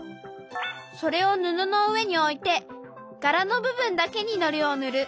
それを布の上において柄の部分だけにのりをぬる。